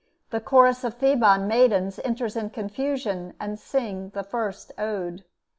The Chorus of Theban maidens enter in confusion and sing the first ode.